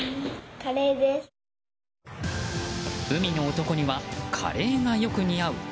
海の男にはカレーがよく似合う。